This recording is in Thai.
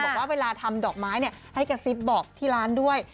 บอกว่าเวลาทำดอกไม้ให้กระซิบบอกที่ร้านด้วย